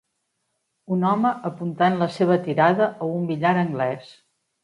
Un home apuntant la seva tirada a un billar anglès.